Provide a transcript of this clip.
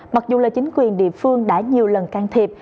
mặc dù là chính quyền địa phương đã nhiều lần can thiệp